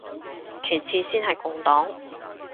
其次先係共黨